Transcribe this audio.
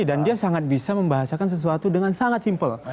dan dia sangat bisa membahasakan sesuatu dengan sangat simple